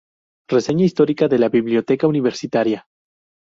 Reseña histórica de la biblioteca Universitaria.